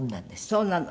そうなの。